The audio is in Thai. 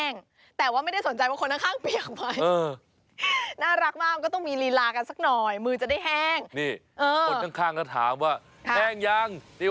นี่คนข้างก็ถามว่า